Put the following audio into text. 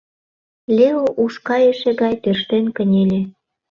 Лео уш кайыше гай тӧрштен кынеле.